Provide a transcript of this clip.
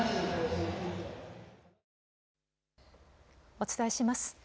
お伝えします。